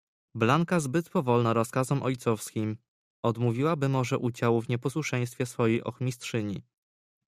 "Blanka zbyt powolna rozkazom ojcowskim, odmówiłaby może udziału w nieposłuszeństwie swojej ochmistrzyni."